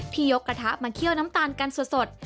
ยกกระทะมาเคี่ยวน้ำตาลกันสด